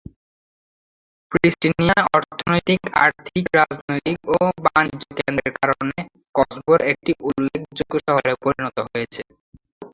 প্রিস্টিনায় অর্থনৈতিক, আর্থিক, রাজনৈতিক ও বাণিজ্য কেন্দ্রের কারণে কসোভোর একটি উল্লেখযোগ্য শহরে পরিণত হয়েছে।